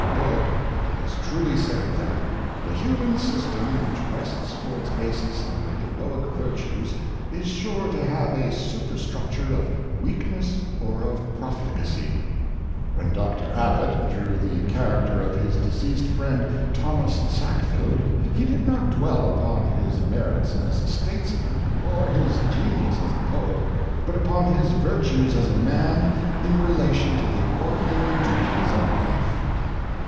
Burke has truly said that " the human system which rests for its basis on the heroic virtues is sure to have a superstructure of weakness or of profligacy." When Dr. Abbot, drew the character of his deceased friend Thomas Sackville, he did not dwell upon his merits as a statesman, or his genius as a poet, but upon his virtues as a man in relation to the ordinary duties of life.